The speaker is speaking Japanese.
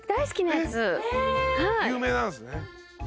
有名なんですね。